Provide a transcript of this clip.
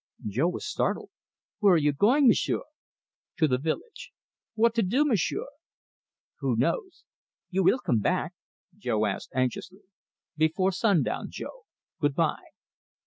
Jo was startled. "Where are you going, M'sieu'?" "To the village." "What to do, M'sieu'?" "Who knows?" "You will come back?" Jo asked anxiously. "Before sundown, Jo. Good bye!"